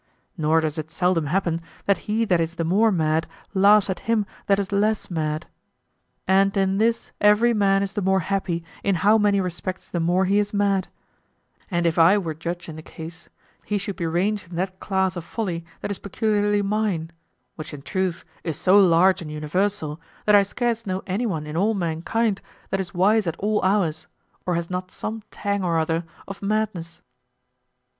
Nor does it seldom happen that he that is the more mad, laughs at him that is less mad. And in this every man is the more happy in how many respects the more he is mad; and if I were judge in the case, he should be ranged in that class of folly that is peculiarly mine, which in truth is so large and universal that I scarce know anyone in all mankind that is wise at all hours, or has not some tang or other of madness.